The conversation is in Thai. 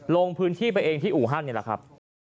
ลงพื้นที่ไปเองที่อู่ฮั่นนี่แหละครับ